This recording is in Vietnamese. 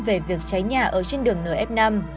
về việc cháy nhà ở trên đường nở f năm